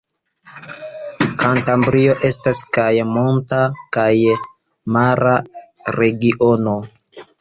Kantabrio estas kaj monta kaj mara regiono.